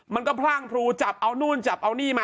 มันก็พร่างพรูกับเอานู้นนี่มา